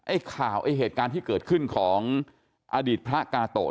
ไอ้ข่าวไอ้เหตุการณ์ที่เกิดขึ้นของอดีตพระกาโตะ